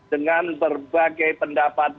dengan berbagai pendapat